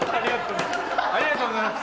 ありがとうございます。